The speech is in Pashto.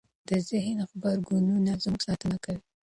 د ذهن غبرګونونه زموږ ساتنه کوي.